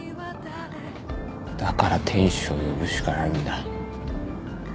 だから天使を呼ぶしかないんだ。